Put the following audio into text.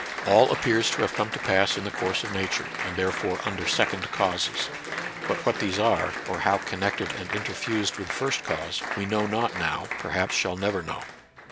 All appears to have come to pass in the course of Nature, and therefore under second causes; but what these are, or how connected and inter fused with first cause, we know not now, per haps shall never know.